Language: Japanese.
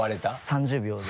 ３０秒で。